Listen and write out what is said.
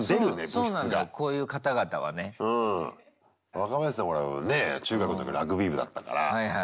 若林さんほらねぇ中学の時ラグビー部だったから。